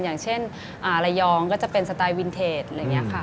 อย่างเช่นระยองก็จะเป็นสไตล์วินเทจอะไรอย่างนี้ค่ะ